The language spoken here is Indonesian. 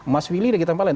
mas willy lagi tambah lain